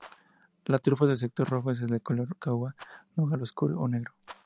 La trufa del "setter rojo" es de color caoba, nogal oscuro, o negro.